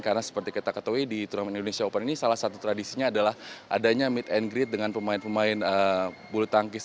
karena seperti kita ketahui di turnamen indonesia open ini salah satu tradisinya adalah adanya meet and greet dengan pemain pemain bulu tangkis